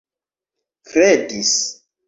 kredis